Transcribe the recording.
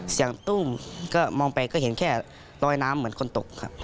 ตู้มก็มองไปก็เห็นแค่ลอยน้ำเหมือนคนตกครับ